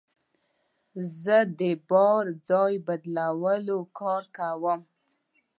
زه د بار ځای بدلولو کار کوم.